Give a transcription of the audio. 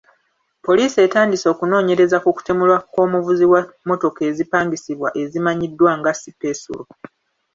Poliisi etandise okunoonyereza ku kutemulwa kw'omuvuzi wa mmotoka ezipangisibwa ezimanyiddwa nga sipesulo.